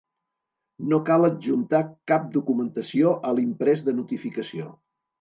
No cal adjuntar cap documentació a l'imprès de notificació.